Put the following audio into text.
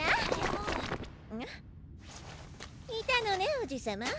いたのねおじさま。